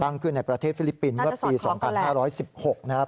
ตั้งขึ้นในประเทศฟิลิปปินเมื่อปีสองพันห้าร้อยสิบหกนะครับ